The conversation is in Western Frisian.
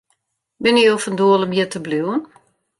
Binne jo fan doel om hjir te bliuwen?